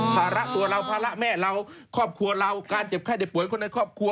ภาระตัวเราภาระแม่เราครอบครัวเราการเจ็บไข้ได้ป่วยคนในครอบครัว